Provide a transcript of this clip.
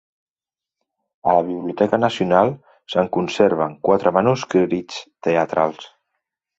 A la Biblioteca Nacional se'n conserven quatre manuscrits teatrals.